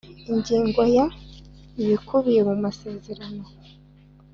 Ingingo ya Ibikubiye mu masezerano